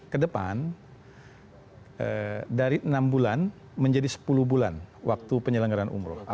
kedepan dari enam bulan menjadi sepuluh bulan waktu penyelenggaran umroh